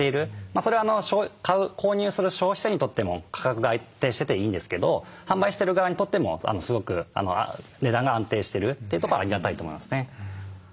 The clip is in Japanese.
それは買う購入する消費者にとっても価格が安定してていいんですけど販売してる側にとってもすごく値段が安定してるってとこはありがたいと思いますね。